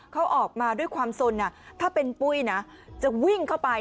เขาออกมาด้วยความสนถ้าเป็นปุ้ยนะจะวิ่งเข้าไป